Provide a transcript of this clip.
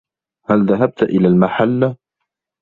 هل ذهبت إلى المحلّ؟